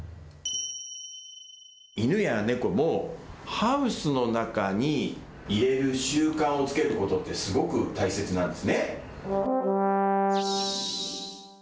犬や猫も、ハウスの中に入れる習慣をつけることって、すごく大切なんですね。